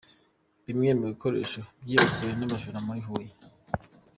Bimwe mu bikoresho byibasiwe n’abajura muri Huye.